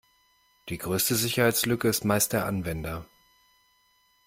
Die größte Sicherheitslücke ist meist der Anwender.